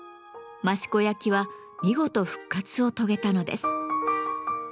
益子焼は見事復活を遂げたのです。